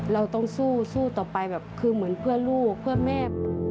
เราต้องสู้สู้ต่อไปแบบคือเหมือนเพื่อลูกเพื่อแม่